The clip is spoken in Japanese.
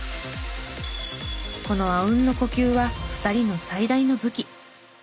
この阿吽の呼吸は２人の最大の武器。